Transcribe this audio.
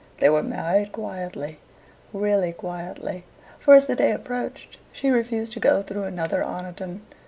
They were married quietly really quietly, for as the day approached she refused to go through another Oniton.